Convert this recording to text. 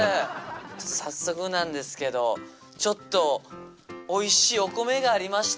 早速なんですけどちょっとおいしいお米がありまして。